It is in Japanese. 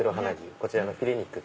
こちらのフィレ肉。